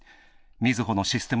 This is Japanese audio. みずほのシステム